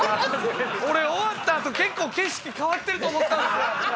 俺終わった後結構景色変わってると思ったんすよ。